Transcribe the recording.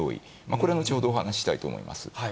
これは後ほどお話したいと思います。